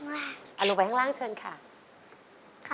ชอบซื้อชอบกินด้วยของแม่ก็เหมือนกันค่ะ